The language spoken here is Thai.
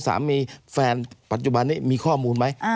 สามีแฟนปัจจุบันนี้มีข้อมูลไหม